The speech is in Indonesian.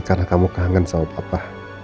karena kamu kangen sama papa